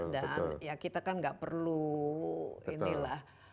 dan ya kita kan gak perlu inilah